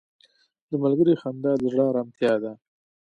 • د ملګري خندا د زړه ارامتیا ده.